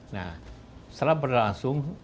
nah setelah berlangsung